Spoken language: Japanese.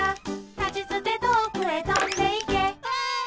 「たちつてとおくへとんでいけ」わい！